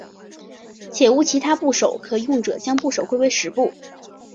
且无其他部首可用者将部首归为石部。